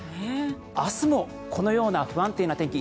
明日もこのような不安定な天気